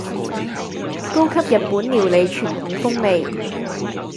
高級日本料理傳統風味